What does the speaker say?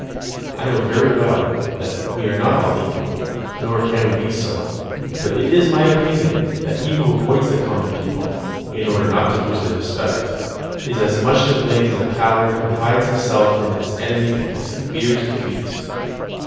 I know very well that we are not all equal, nor can be so; but it is my opinion that he who avoids the common people, in order not to lose their respect, is as much to blame as a coward who hides himself from his enemy because he fears defeat.